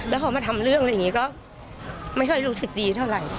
แล้วพอมาทำเรื่องอะไรอย่างนี้ก็ไม่ค่อยรู้สึกดีเท่าไหร่